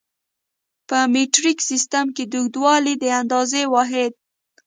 په مټریک سیسټم کې د اوږدوالي د اندازې واحد